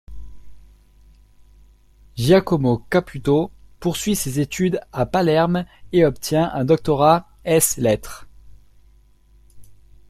Giacomo Caputo poursuit ses études à Palerme et obtient un doctorat ès lettres.